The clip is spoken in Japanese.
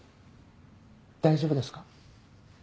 大丈夫ですか？